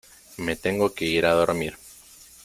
me tengo que ir a dormir.